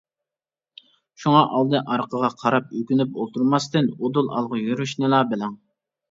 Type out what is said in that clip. شۇڭا ئالدى-ئارقىغا قاراپ ئۆكۈنۈپ ئولتۇرماستىن، ئۇدۇل ئالغا يۈرۈشنىلا بىلىڭ.